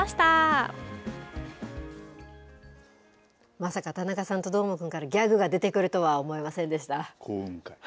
まさか田中さんとどーもくんから、ギャグが出てくるとは思いませんでした。